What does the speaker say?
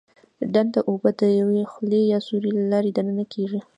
ډنډ ته اوبه د یوې خولې یا سوري له لارې دننه کېږي.